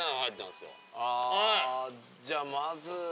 あじゃあまず。